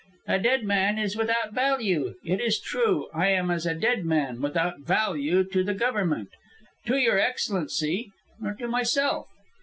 "A dead man is without value. It is true, I am as a dead man, without value to the Government, to Your Excellency, or to myself.